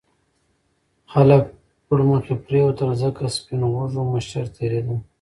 خلک پرمخې پرېوتل ځکه سپین غوږو مشر تېرېده.